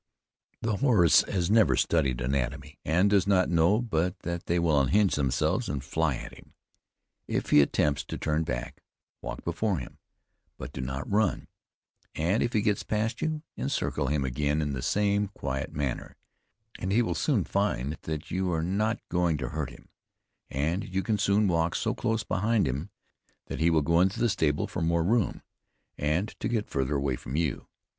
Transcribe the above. The horse has never studied anatomy, and does not know but they will unhinge themselves and fly at him. It he attempts to turn back, walk before him, but do not run; and if he gets past you, encircle him again in the same quiet manner, and he will soon find that you are not going to hurt him; and you can soon walk so close around him that he will go into the stable for more room, and to get farther from you.